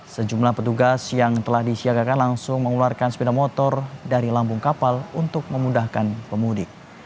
sejumlah petugas yang telah disiagakan langsung mengeluarkan sepeda motor dari lambung kapal untuk memudahkan pemudik